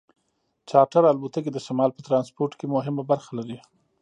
چارټر الوتکې د شمال په ټرانسپورټ کې مهمه برخه لري